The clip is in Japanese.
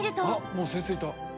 もう先生いた。